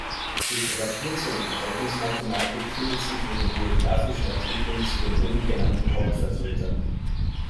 Literatur zur Unterhaltungsmathematik findet sich in den biographischen Artikeln zu den oben genannten Hauptvertretern.